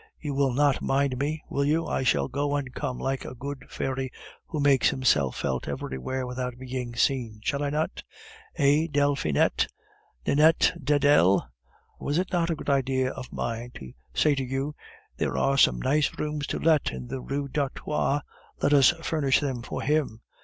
You will not mind me, will you? I shall go and come like a good fairy who makes himself felt everywhere without being seen, shall I not? Eh, Delphinette, Ninette, Dedel was it not a good idea of mine to say to you, 'There are some nice rooms to let in the Rue d'Artois; let us furnish them for him?